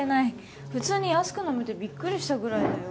普通に安く飲めてびっくりしたぐらいだよ。